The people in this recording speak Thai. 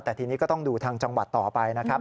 แต่ทีนี้ก็ต้องดูทางจังหวัดต่อไปนะครับ